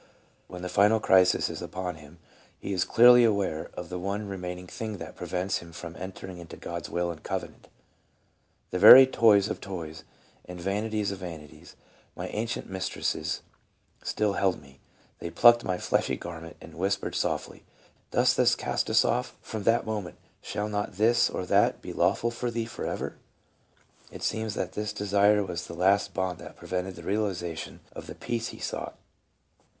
When the final crisis is upon him, he is clearly aware of the one remaining thing that prevents him from "entering into God's will and covenant." "The very toys of toys and vani ties of vanities, my ancient mistresses, still held me ; they plucked my fleshly garment and whispered softly, ' Dost thou cast us off ; from that moment shall not this or that be law ful for thee forever V" It seems that this desire was the last bond that prevented the realization of the peace he sought.